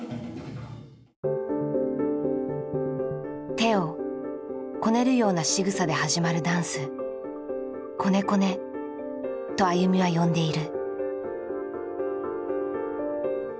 手をこねるようなしぐさで始まるダンス「こねこね」とＡＹＵＭＩは呼んでいる。